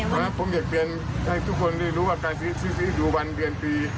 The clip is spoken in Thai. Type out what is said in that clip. ผมอยากเปลี่ยนให้ทุกคนได้รู้ว่าการซื้อดูวันเดือนปี